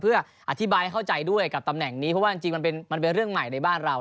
เพื่ออธิบายให้เข้าใจด้วยกับตำแหน่งนี้เพราะว่าจริงมันเป็นเรื่องใหม่ในบ้านเรา